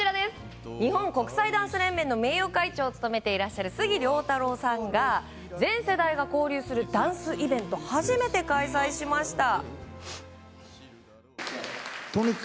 日本国際ダンス連盟の名誉会長を務めていらっしゃる杉良太郎さんが全世代が交流するダンスイベントを初めて開催しました。